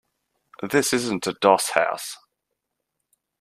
This isn't a doss house.